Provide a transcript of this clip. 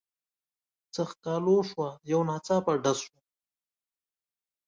څه ښکالو شوه یو ناڅاپه ډز شو.